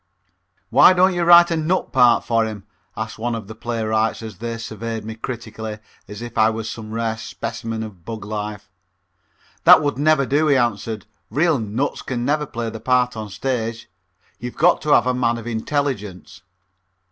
"Why don't you write a 'nut' part for him?" asked one of them of the playwright as they surveyed me critically as if I was some rare specimen of bug life. "That would never do," he answered. "Real 'nuts' can never play the part on the stage. You've got to have a man of intelligence."